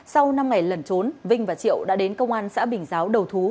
sau năm ngày lẩn trốn vinh và triệu đã đến công an xã bình giáo đầu thú